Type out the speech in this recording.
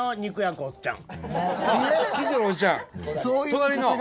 隣の。